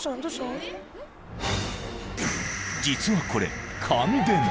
［実はこれ］